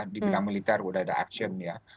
di bidang militer sudah ada action ya